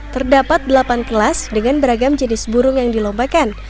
terdapat delapan kelas dengan beragam jenis burung yang dilombakan